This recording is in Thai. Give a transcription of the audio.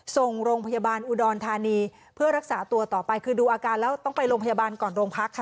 ส่งโรงพยาบาลอุดรธานีเพื่อรักษาตัวต่อไปคือดูอาการแล้วต้องไปโรงพยาบาลก่อนโรงพักค่ะ